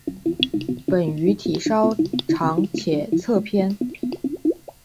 本鱼体稍长且侧扁。